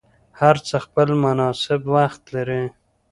هر څه خپل مناسب وخت لري